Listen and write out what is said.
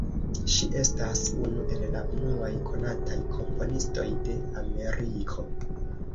Ŝi estas unu el la unuaj konataj komponistoj de Ameriko.